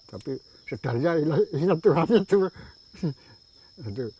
tapi saudaranya ingat tuhan itu